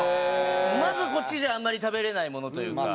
まずこっちじゃあんまり食べられないものというか。